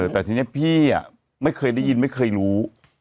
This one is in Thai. แต่ทีนี้พี่ไม่เคยได้ยินไม่เคยรู้